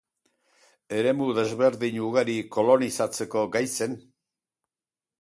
Eremu desberdin ugari kolonizatzeko gai zen.